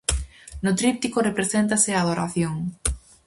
No tríptico represéntase a Adoración.